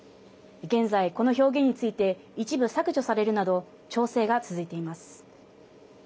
現在、この表現について一部、削除されるなど調整が続いています。